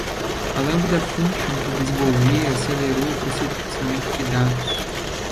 A Lambda Function que desenvolvi acelerou o processamento de dados.